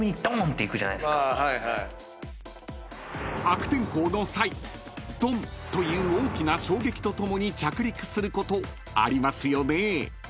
［悪天候の際ドン！という大きな衝撃とともに着陸することありますよね］